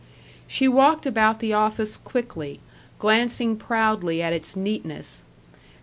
She walked about the office quickly, glancing proudly at its neatness.